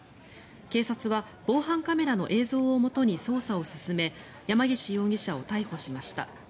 警察は防犯カメラの映像をもとに捜査を進め山岸容疑者を逮捕しました。